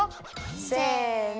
せの！